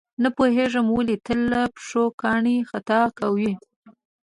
نه پوهېږم ولې تل له پښو کاڼي خطا کوي.